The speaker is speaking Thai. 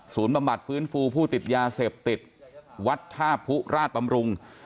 ศูนย์บำบัดฟื้นฟูผู้ติดยาเสพติดวัทธาปุราชปำรุง